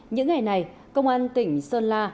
những ngày này công an tỉnh sơn la